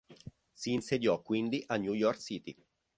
Si insediò quindi a New York City.